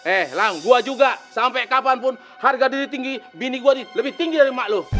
eh lam gua juga sampai kapanpun harga diri tinggi bini gua lebih tinggi dari mak lu